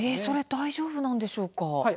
大丈夫なんでしょうか。